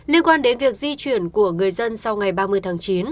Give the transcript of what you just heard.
liên quan đến việc di chuyển của người dân sau ngày ba mươi tháng chín